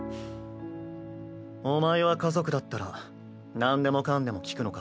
お前は家族だったらなんでもかんでも聞くのか？